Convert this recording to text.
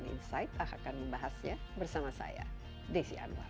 insight akan membahasnya bersama saya desi anwar